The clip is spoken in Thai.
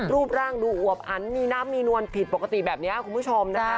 รูปร่างดูอวบอันมีน้ำมีนวลผิดปกติแบบนี้คุณผู้ชมนะคะ